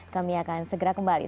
kami akan segera kembali